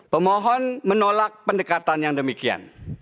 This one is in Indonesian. pemohon menolak pendekatan yang demikian